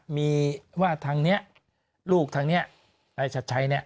มีว่าทางนี้ลูกทางนี้ชัดใช้นี่